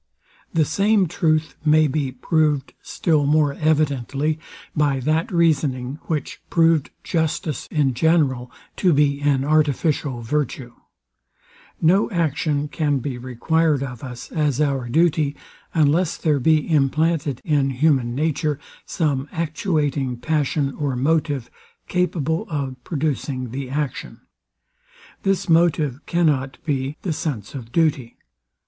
The same truth may be proved still more evidently by that reasoning, which proved justice in general to be an artificial virtue. No action can be required of us as our duty, unless there be implanted in human nature some actuating passion or motive, capable of producing the action. This motive cannot be the sense of duty.